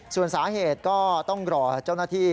ส่วนสาเหตุก็ต้องรอเจ้าหน้าที่